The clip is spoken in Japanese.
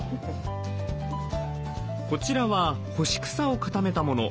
こちらは干し草を固めたもの。